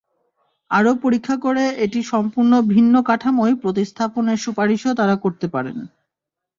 আরও পরীক্ষা করে এটি সম্পূর্ণ ভিন্ন কাঠামোয় প্রতিস্থাপনের সুপারিশও তাঁরা করতে পারেন।